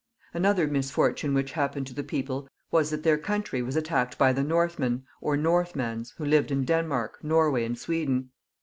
Another misfortune which happened to the people was that their country was attacked by the Northmen or Nor mans, who lived in Denmark, Norway, and Sweden.